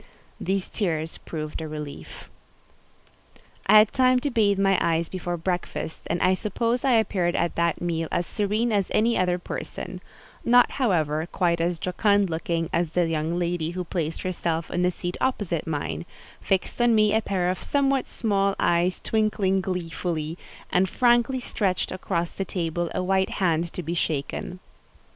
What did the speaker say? These tears proved a relief. I had time to bathe my eyes before breakfast, and I suppose I appeared at that meal as serene as any other person: not, however, quite as jocund looking as the young lady who placed herself in the seat opposite mine, fixed on me a pair of somewhat small eyes twinkling gleefully, and frankly stretched across the table a white hand to be shaken.